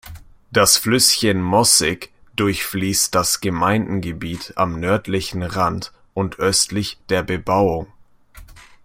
Das Flüsschen Mossig durchfließt das Gemeindegebiet am nördlichen Rand und östlich der Bebauung.